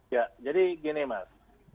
ya jadi gini mas